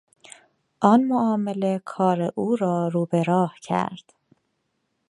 آن معامله کار او را رو به راه کرد.